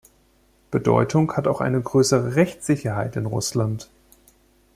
Bedeutung hat auch eine größere Rechtssicherheit in Russland.